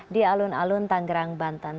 di alun alun tanggerang banten